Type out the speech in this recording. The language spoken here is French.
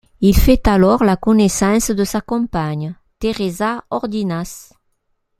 Il fait alors la connaissance de sa compagne, Teresa Ordinas.